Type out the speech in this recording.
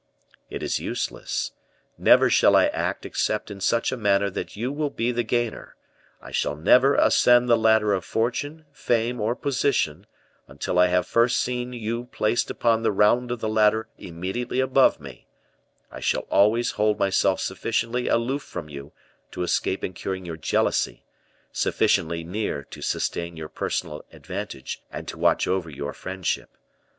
"It is useless. Never shall I act except in such a manner that you will be the gainer; I shall never ascend the ladder of fortune, fame, or position, until I have first seen you placed upon the round of the ladder immediately above me; I shall always hold myself sufficiently aloof from you to escape incurring your jealousy, sufficiently near to sustain your personal advantage and to watch over your friendship.